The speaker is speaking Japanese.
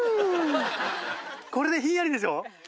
これでひんやりでしょ？